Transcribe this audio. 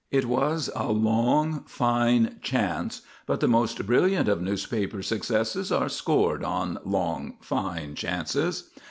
It was a long, fine chance; but the most brilliant of newspaper successes are scored on long, fine chances.